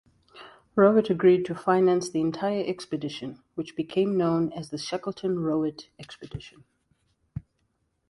Rowett agreed to finance the entire expedition, which became known as the Shackleton-Rowett Expedition.